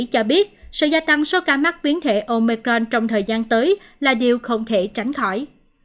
cho biết sự gia tăng số ca mắc biến thể omecron trong thời gian tới là điều không thể tránh khỏi